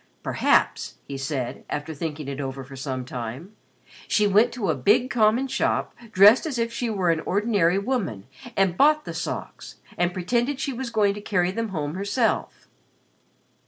"Perhaps," he said, after thinking it over for some time, "she went to a big common shop dressed as if she were an ordinary woman and bought the socks and pretended she was going to carry them home herself.